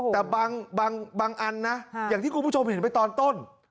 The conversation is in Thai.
แต่บางอันนะอย่างที่คุณผู้ชมเห็นไปตอนต้น